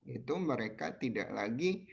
itu mereka tidak lagi